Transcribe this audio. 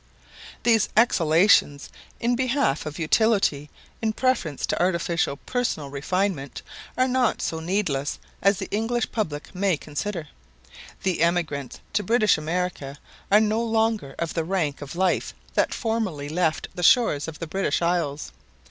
These exhalations in behalf of utility in preference to artificial personal refinement, are not so needless as the English public may consider. The emigrants to British America are no longer of the rank of life that formerly left the shores of the British Isles.